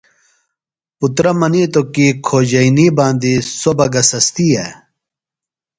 پُترہ منِیتوۡ کی کھوجئینی باندی سوۡ بہ گہ سستیئے؟